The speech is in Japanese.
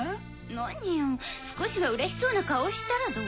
何よ少しはうれしそうな顔したらどう？